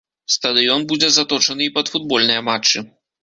Стадыён будзе заточаны і пад футбольныя матчы.